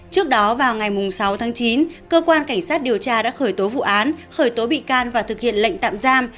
trước đó vào ngày sáu tháng chín cơ quan cảnh sát điều tra đã khởi tố vụ án khởi tố bị can và thực hiện lệnh tạm giam